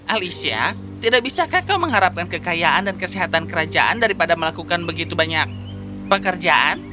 alicia tidak bisakah kau mengharapkan kekayaan dan kesehatan kerajaan daripada melakukan begitu banyak pekerjaan